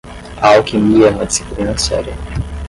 A alquimia é uma disciplina séria.